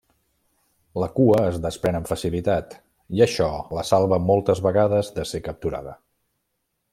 La cua es desprèn amb facilitat, i això la salva moltes vegades de ser capturada.